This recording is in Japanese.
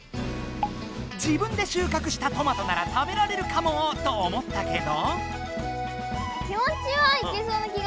自分で収かくしたトマトなら食べられるかもと思ったけど。